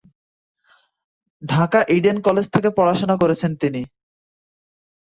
ঢাকার Eden college থেকে পড়াশোনা করেছেন তিনি।